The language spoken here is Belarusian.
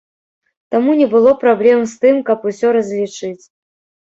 Таму не было праблем з тым, каб усё разлічыць.